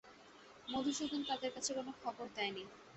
মধুসূদন এদের কাছে কোনো খবর দেয় নি।